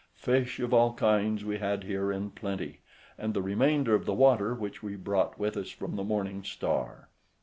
Fish of all kinds we had here in plenty, and the remainder of the water which we brought with us from the Morning star.